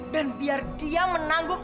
dan biar dia menanggung